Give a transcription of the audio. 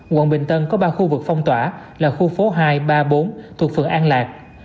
quận bình tân có ba khu vực phong tỏa là khu phố hai ba bốn thuộc phường an lạc